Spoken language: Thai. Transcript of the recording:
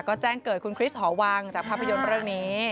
ก็แจ้งเกิดคุณคริสหอวังจากภาพยนตร์เรื่องนี้